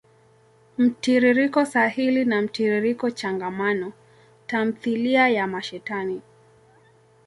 mtiririko sahili na mtiririko changamano. Tamthilia ya mashetani.